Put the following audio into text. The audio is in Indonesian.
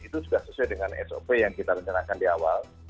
itu sudah sesuai dengan sop yang kita rencanakan di awal